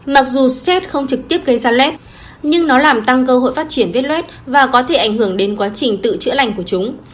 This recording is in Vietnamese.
mặc dù stress không trực tiếp gây ra led nhưng nó làm tăng cơ hội phát triển vết luet và có thể ảnh hưởng đến quá trình tự chữa lành của chúng